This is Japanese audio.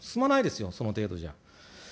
進まないですよ、その程度じゃ。